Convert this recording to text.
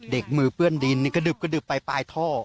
เด็กมือเปื้อนดินกระดึบไปปลายท่อ